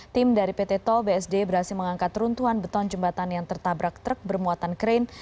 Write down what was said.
tim dari pt tol bsd berhasil mengangkat runtuhan beton jembatan yang tertabrak truk bermuatan krain